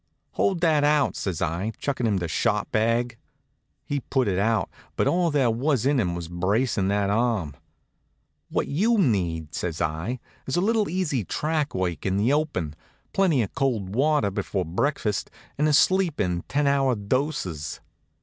"Hold that out," says I, chuckin' him the shot bag. He put it out; but all there was in him was bracin' that arm. "What you need," says I, "is a little easy track work in the open, plenty of cold water before breakfast, and sleep in ten hour doses."